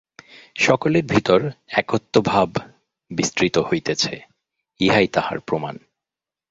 সকলের ভিতর একত্ব-ভাব বিস্তৃত হইতেছে, ইহাই তাহার প্রমাণ।